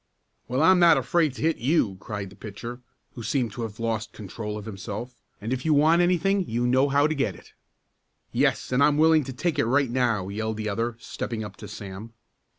"Well, I'm not afraid to hit you!" cried the pitcher, who seemed to have lost control of himself. "And if you want anything you know how to get it." "Yes, and I'm willing to take it right now," yelled the other, stepping up to Sam.